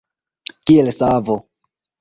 Kiel savo.